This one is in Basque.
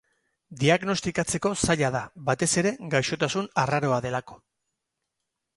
Diagnostikatzeko zaila da, batez ere gaixotasun arraroa delako.